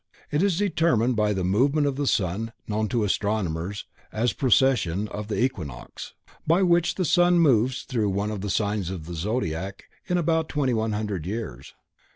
It is determined by the movement of the sun known to astronomers as precession of the equinox, by which the sun moves through one of the signs of the Zodiac in about 2100 years.